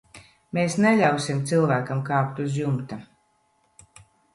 Mēs neļausim cilvēkam kāpt uz jumta.